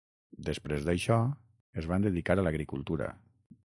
Després d'això, es van dedicar a l'agricultura.